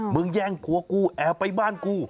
แย่งผัวกูแอบไปบ้านกู